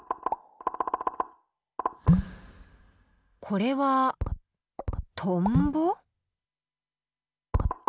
これはトンボ？